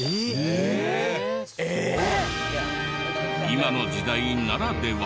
今の時代ならでは。